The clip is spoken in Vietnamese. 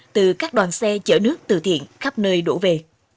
từ các đoàn xe chở nước từ thiện khắp nơi đổ về